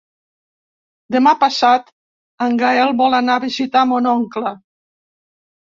Demà passat en Gaël vol anar a visitar mon oncle.